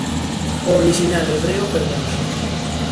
O orixinal hebreo perdeuse.